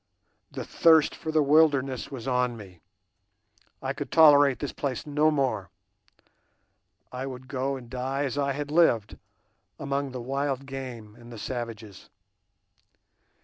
The thirst for the wilderness was on me; I could tolerate this place no more; I would go and die as I had lived, among the wild game and the savages.